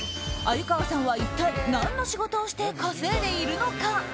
鮎河さんは一体何の仕事をして稼いでいるのか？